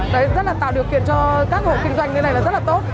đấy rất là tạo điều kiện cho các hộ kinh doanh như thế này là rất là tốt